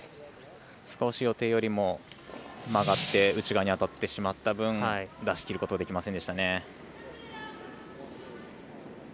少し予定よりも曲がって内側に当たってしまった分出しきることができませんでした。